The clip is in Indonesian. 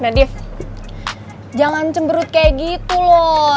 nah nadif jangan cemberut kayak gitu loh